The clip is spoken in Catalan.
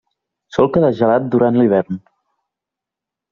Sol quedar gelat durant l'hivern.